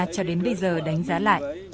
cho đến bây giờ đánh giá lại